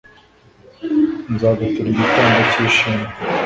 nzagutura igitambo cy'ishimwe